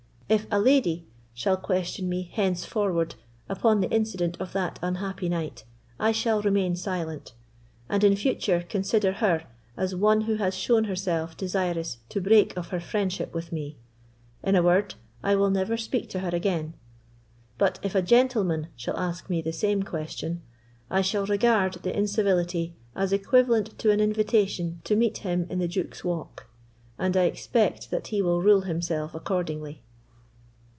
If a lady shall question me henceforward upon the incident of that unhappy night, I shall remain silent, and in future consider her as one who has shown herself desirous to break off her friendship with me; in a word, I will never speak to her again. But if a gentleman shall ask me the same question, I shall regard the incivility as equivalent to an invitation to meet him in the Duke's Walk, and I expect that he will rule himself accordingly."